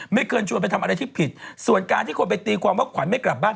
ไม่เคยชวนไปทำอะไรที่ผิดส่วนการที่คนไปตีความว่าขวัญไม่กลับบ้าน